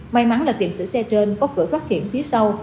may mắn là tiệm sửa xe trên có cửa thoát hiểm phía sau